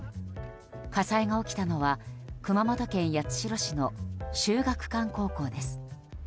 火災が起きたのは熊本県八代市の秀岳館高校です。